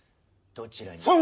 どちらに。